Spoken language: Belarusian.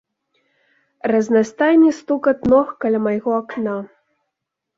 Разнастайны стукат ног каля майго акна.